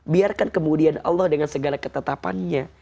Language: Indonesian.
biarkan kemudian allah dengan segala ketetapannya